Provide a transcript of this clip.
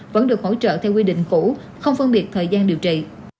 vẫn được hỗ trợ theo quy định cũ không phân biệt thời gian điều trị